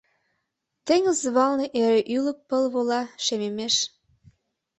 Теҥыз валне эре ӱлык пыл вола, шемемеш.